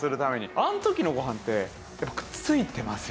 あの時のご飯ってくっついてますよね？